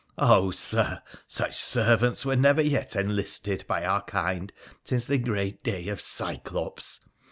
Oh, Sir, such servants were never yet enlisted by our kind since the great day of Cyclops